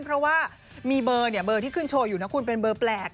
เพราะว่ามีเบอร์ที่ขึ้นโชว์อยู่เป็นเบอร์แปลก